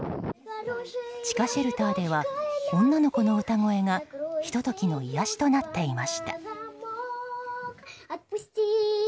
地下シェルターでは女の子の歌声がひと時の癒やしとなっていました。